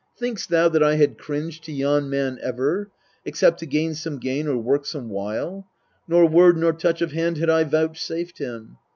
Think'st thou that I had cringed to yon man ever, Except to gain some gain, or work some wile ? Nor word nor touch of hand had I vouchsafed him.